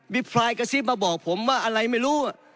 มีพลายกระซิบมาบอกผมว่าอะไรไม่รู้